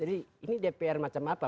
jadi ini dpr macam apa